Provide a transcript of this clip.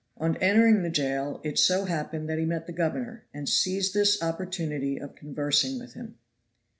On entering the jail it so happened that he met the governor, and seized this opportunity of conversing with him.